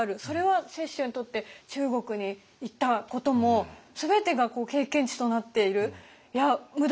それは雪舟にとって中国に行ったことも全てが経験値となっている。